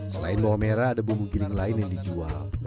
selain bawang merah ada bumbu giling lain yang dijual